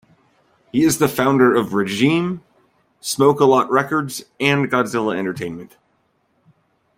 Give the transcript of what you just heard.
He is the founder of The Regime, Smoke-A-Lot Records and Godzilla Entertainment.